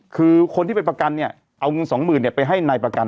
คือคนที่ไปประกันเนี่ยเอาเงินสองหมื่นไปให้นายประกัน